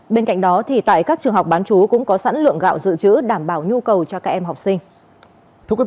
bên cạnh đó tại các trường học bán chú cũng có sẵn lượng gạo dự trữ đảm bảo nhu cầu cho các em học sinh